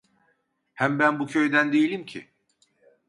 Hem ben bu köyden değilim ki.